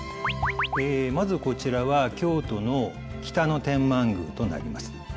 まずこちらは京都の北野天満宮となります。